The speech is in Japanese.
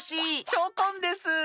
チョコンです！